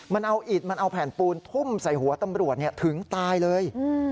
มันเอาอิดมันเอาแผ่นปูนทุ่มใส่หัวตำรวจถึงตายเลย